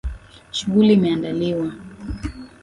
Shughuli imeandaliwa.